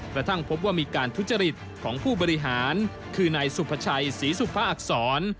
กระทั่งพบว่ามีการทุจริตของผู้บริหารคือนายสุภาชัยศรีสุภาอักษร